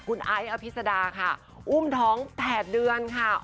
คุณไอ้อภิษดาค่ะอุ้มท้อง๘เดือนค่ะ